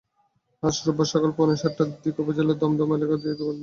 আজ রোববার সকাল পৌনে সাতটার দিকে উপজেলার দমদমা এলাকায় এই দুর্ঘটনা ঘটে।